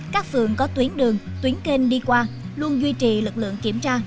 các phường có tuyến đường tuyến kênh đi qua luôn duy trì lực lượng kiểm tra